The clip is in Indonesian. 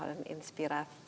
terima kasih mbak desi